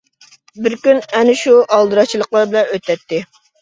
بىر كۈن ئەنە شۇ ئالدىراشچىلىقلار بىلەن ئۆتەتتى.